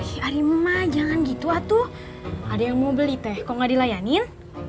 ih adi ma jangan gitu atu ada yang mau beli teh kok gak dilayaniin